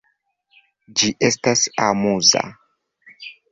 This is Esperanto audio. Ĝi estas amuza.